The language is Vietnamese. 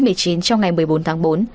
trong ngày một mươi bốn tháng bốn